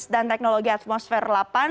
dan teknologi atmosfer delapan